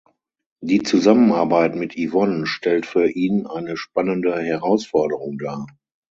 Die Zusammenarbeit mit Yvonne stellt für ihn eine spannende Herausforderung dar.